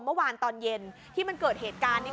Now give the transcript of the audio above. เมื่อวานตอนเย็นที่มันเกิดเหตุการณ์นี้